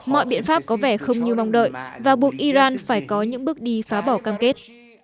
mọi biện pháp có vẻ không như mong đợi và buộc iran phải có những bước đi phá bỏ cam kết